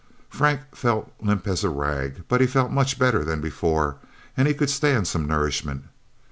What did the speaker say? Frank felt limp as a rag, but he felt much better than before, and he could stand some nourishment.